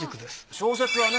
小説はね